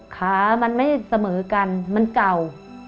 ขามันไม่เสมอกันมันเก่า